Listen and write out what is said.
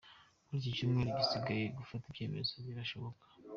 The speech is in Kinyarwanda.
Muri iki cyumweru gisigaye gufata icyemezo birashoboka.